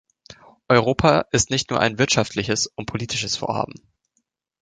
Europa ist nicht nur ein wirtschaftliches und politisches Vorhaben.